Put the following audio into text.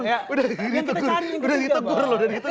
udah gitu gur udah gitu gur loh udah gitu gur